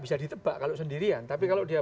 bisa ditebak kalau sendirian tapi kalau dia